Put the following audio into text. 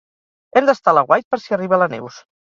Hem d'estar a l'aguait per si arriba la Neus.